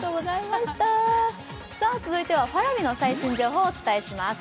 続いてはＰａｒａｖｉの最新情報をお伝えします。